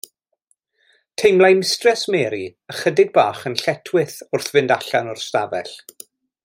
Teimlai Mistres Mary ychydig bach yn lletchwith wrth fynd allan o'r ystafell.